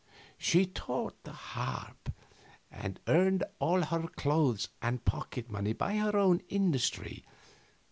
She taught the harp, and earned all her clothes and pocket money by her own industry.